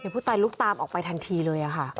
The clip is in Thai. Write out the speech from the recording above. ผู้ตายลุกตามออกไปทันทีเลยค่ะ